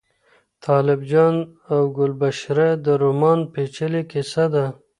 طالب جان او ګلبشره د رومان پېچلې کیسه ده.